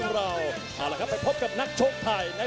โปรดติดตามต่อไป